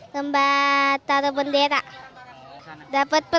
lomba taruh bendera dapet permen